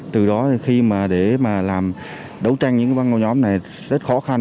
từ đó thì khi mà để mà làm đấu tranh những băng ổ nhóm này rất khó khăn